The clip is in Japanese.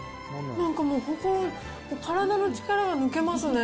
なんかもう、体の力が抜けますね。